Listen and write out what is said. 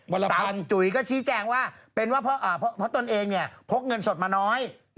สาวจุ๋ยก็ชี้แจงว่าเป็นว่าเพราะตนเองพกเงินสดมาน้อย